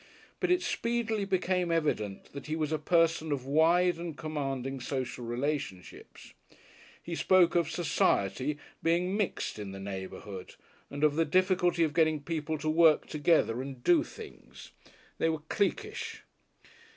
But it speedily became evident that he was a person of wide and commanding social relationships. He spoke of "society" being mixed in the neighbourhood and of the difficulty of getting people to work together, and "do" things; they were cliquish.